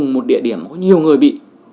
một địa điểm mà có nhiều người bị